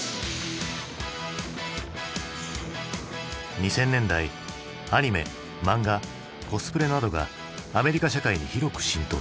２０００年代アニメ漫画コスプレなどがアメリカ社会に広く浸透する。